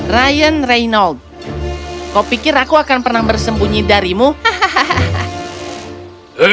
ryan reynold kau pikir aku akan pernah bersembunyi darimu hahaha